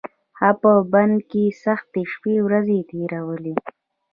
هغه په بند کې سختې شپې ورځې تېرولې.